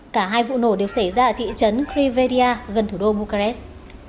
cả hai vụ nổ đều xảy ra ở thị trấn krivedia gần thủ đô bucharest